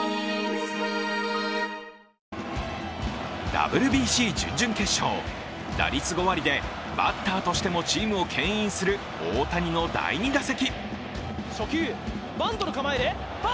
ＷＢＣ準々決勝、打率５割でバッターとしてもチームをけん引する大谷の第２打席。